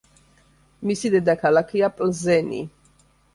მისი დედაქალაქია პლზენი.